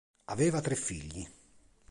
Aveva tre figli.